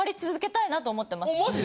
おマジで！？